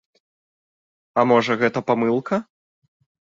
А можа, гэта памылка?